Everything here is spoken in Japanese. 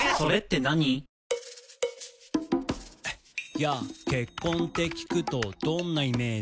「ＹＡ結婚って聴くとどんなイメージ？」